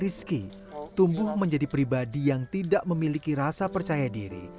rizky tumbuh menjadi pribadi yang tidak memiliki rasa percaya diri